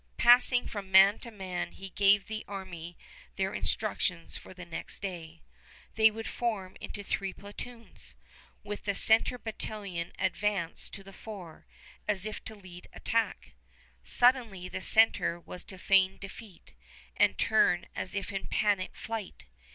Passing from man to man, he gave the army their instructions for the next day. They would form in three platoons, with the center battalion advanced to the fore, as if to lead attack. Suddenly the center was to feign defeat and turn as if in panic flight.